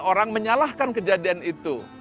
orang menyalahkan kejadian itu